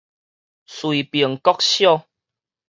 瑞平國小